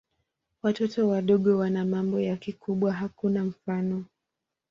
Watoto wadogo wana mambo ya kikubwa hakuna mfano.